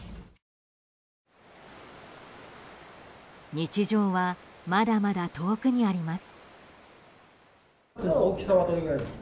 日常はまだまだ遠くにあります。